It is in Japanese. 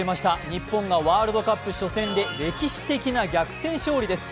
日本がワールドカップ初戦で歴史的な逆転勝利です。